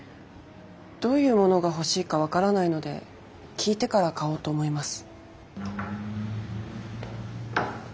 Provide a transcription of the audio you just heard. どういうものが欲しいか分からないので聞いてから買おうと思います。